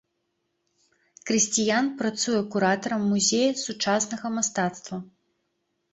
Крысціян працуе куратарам музея сучаснага мастацтва.